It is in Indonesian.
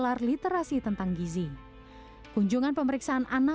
puskesmas menjadi ujung tombak perang